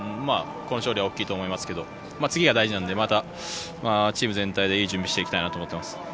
この勝利は大きいと思いますけど次が大事なのでまた、チーム全体でいい準備をしていきたいと思っています。